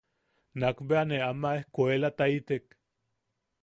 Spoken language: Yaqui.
Nakbea ne ama ejkuuelataitek.